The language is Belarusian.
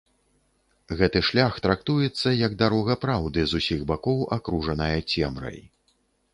Гэты шлях трактуецца як дарога праўды, з усіх бакоў акружаная цемрай.